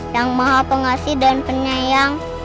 yang maha pengasih dan penyayang